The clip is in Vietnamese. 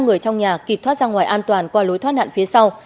ba người trong nhà kịp thoát ra ngoài an toàn qua lối thoát nạn phía sau